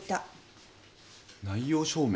内容証明？